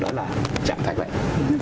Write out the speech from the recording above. đó là trạng thái bệnh